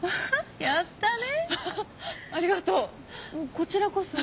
こちらこそ。